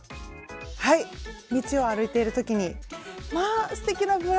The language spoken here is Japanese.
はい道を歩いている時に「まあすてきなブラウスですわね。